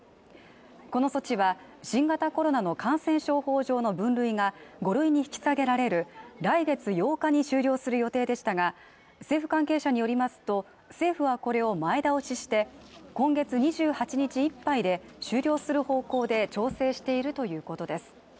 この措置は、新型コロナの感染症法上の分類が５類に引き下げられる来月８日に終了する予定でしたが、政府関係者によりますと、政府はこれを前倒しして今月２８日いっぱいで終了する方向で調整しているということです。